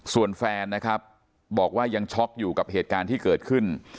ส่วนแฟนนะครับบอกว่ายังช็อกอยู่กับเหตุการณ์ที่เกิดขึ้น